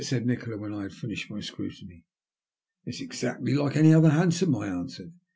said Nikola, when I had finished my scrutiny. " It*s exactly like any other hansom," I answered.